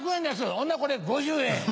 「ほんなら５０円」